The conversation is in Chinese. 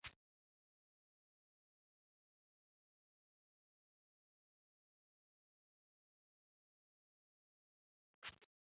拟修订经济部事业废弃物再利用管理办法增列附表公告再利用编号五十九混烧灰协调会。